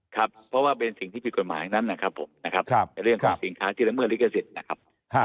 ครับเพราะว่าเป็นสิ่งที่มีกฎหมายอย่างนั้นนะครับเรื่องของสินค้าที่เริ่มเมื่อลิขสิทธิ์นะครับ